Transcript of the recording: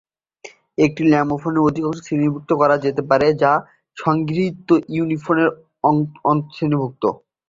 এটি ল্যামেলোফোনের অধীনে শ্রেণীবদ্ধ করা যেতে পারে, যা সংগৃহীত ইডিওফোনের শ্রেণীভুক্ত।